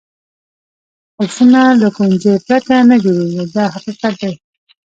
قلفونه له کونجۍ پرته نه جوړېږي دا حقیقت دی.